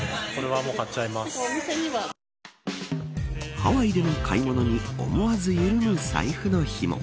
ハワイでの買い物に思わず緩む、財布のひも。